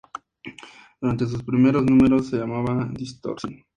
Durante sus primeros números se llamaba Distorsión.